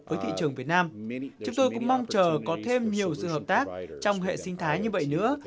với thị trường việt nam chúng tôi cũng mong chờ có thêm nhiều sự hợp tác trong hệ sinh thái như vậy nữa